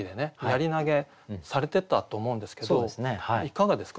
槍投げされてたと思うんですけどいかがですか？